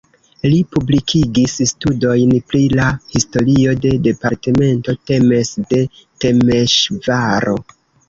Li publikigis studojn pri la historio de departemento Temes de Temeŝvaro.